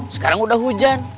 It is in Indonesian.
sekarang udah hujan